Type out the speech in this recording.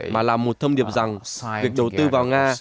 mà là một thông điệp rằng việc đầu tư vào nga